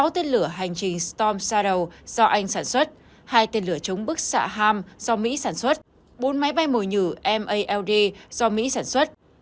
sáu tên lửa hành trình stom saraw do anh sản xuất hai tên lửa chống bức xạ ham do mỹ sản xuất bốn máy bay mồi nhử mald do mỹ sản xuất